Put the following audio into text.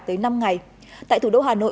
tới năm ngày tại thủ đô hà nội